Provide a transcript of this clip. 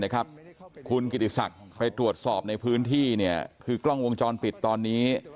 คุณกิติศักดิ์ไปตรวจสอบในพื้นที่คือกล้องวงจรปิดตอนนี้